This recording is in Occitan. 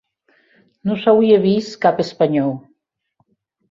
Non s'auie vist cap espanhòu.